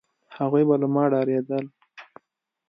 هغوی به له ما ډارېدل،